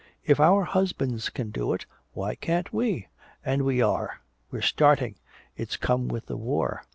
If our husbands can do it, why can't we? And we are we're starting it's come with the war!